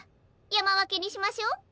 やまわけにしましょう。